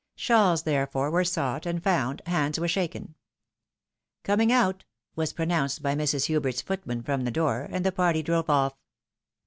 Shawls, therefore, were sought and found, hands were shaken, " Coming out," was pro nounced by Mrs. Hubert's footman from the door, and the party drove off.